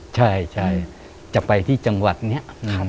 ใช่จะไปที่จังหวัดนี้